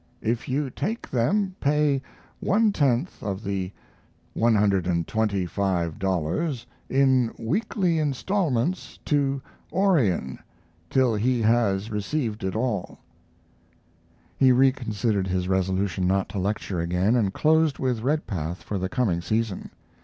If you take them pay one tenth of the $125 in weekly instalments to Orion till he has received it all. He reconsidered his resolution not to lecture again, and closed with Redpath for the coming season.